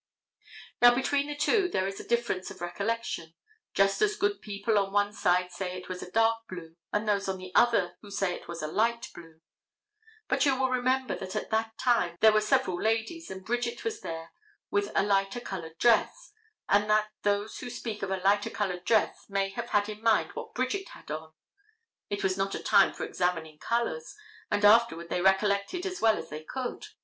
Now between the two there is a difference of recollection; just as good people on one side say it was a dark blue as those on the other who say it was a light blue. But you will remember that at that time there were several ladies and Bridget was there with a lighter colored dress, and that those who speak of a lighter colored dress may have had in mind what Bridget had on. It was not a time for examining colors, and afterward they recollected as well as they could.